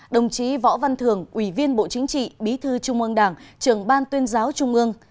đồng chí võ văn thường ubnd bí thư trung ương đảng trường ban tuyên giáo trung ương